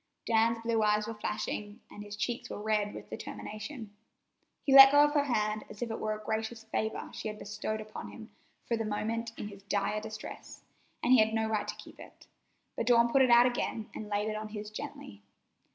Dan's blue eyes were flashing, and his cheeks were red with determination. He had let go of her hand as if it were a gracious favor she had bestowed upon him for the moment in his dire distress, and he had no right to keep it, but Dawn put it out again and laid it on his gently.